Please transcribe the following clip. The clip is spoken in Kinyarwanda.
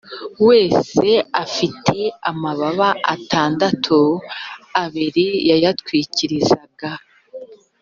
wese afite amababa atandatu abiri yayatwikirizaga